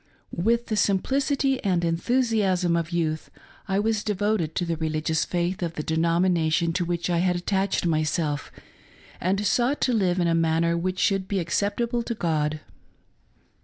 With the simplicity and enthusiasm of youth I was devoted to the religious faith of the denomination to which I had attached' myself, and sought to live in a manner which should be acceptable to God.